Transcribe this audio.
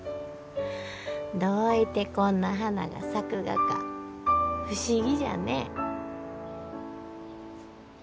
どういてこんな花が咲くがか不思議じゃね。